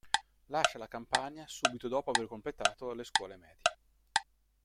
Lascia la Campania subito dopo aver completato le scuole medie.